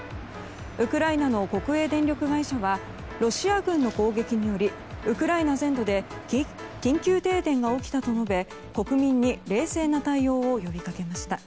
ウクライナの国営電力会社はロシア軍の攻撃によりウクライナ全土で緊急停電が起きたと述べ国民に冷静な対応を呼びかけました。